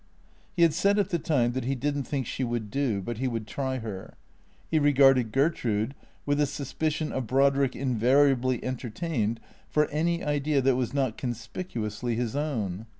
He had said at the time that he did n't think she would do, but he would try her. He regarded Gertrude with the suspicion a Brodrick invariably entertained for any idea that was not con spicuously his own.